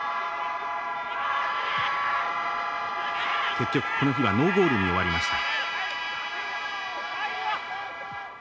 結局この日はノーゴールに終わりました。